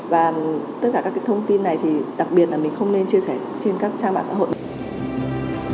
và tất cả các thông tin này thì đặc biệt là mình không nên chia sẻ trên các trang mạng xã hội